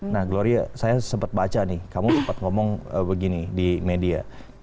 nah gloria saya sempat baca nih kamu sempat ngomong begini di media